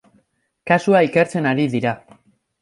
Kasua ikertzen ari dira.